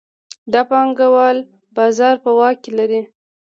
دا پانګوال بازار په واک کې لري